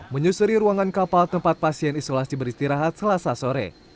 menyusuri ruangan kapal tempat pasien isolasi beristirahat selasa sore